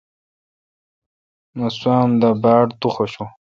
مہ سوام دا باڑ تو خوشون۔